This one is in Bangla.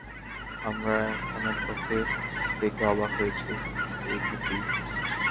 আমরা এখানে তোকে দেখে অবাক হয়েছি, এটুকুই!